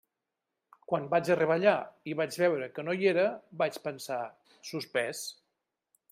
Quan vaig arribar allà i vaig veure que no hi era, vaig pensar: suspès.